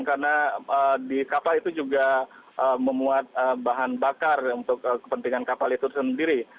karena di kapal itu juga memuat bahan bakar untuk kepentingan kapal itu sendiri